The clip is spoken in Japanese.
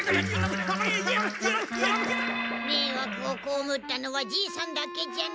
めいわくをこうむったのはじいさんだけじゃない。